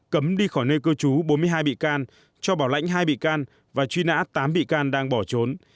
cấm đi khỏi nơi cư trú bốn mươi hai bị can cho bảo lãnh hai bị can và truy nã tám bị can đang bỏ trốn